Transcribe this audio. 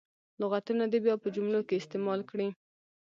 لغتونه دې بیا په جملو کې استعمال کړي.